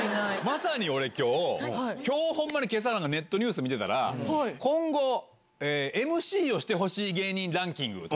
まさに俺きょう、きょう、ほんまにけさ、ネットニュース見てたら、今後、ＭＣをしてほしい芸人ランキング。